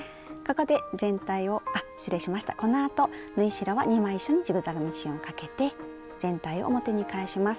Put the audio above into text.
このあと縫い代は２枚一緒にジグザグミシンをかけて全体を表に返します。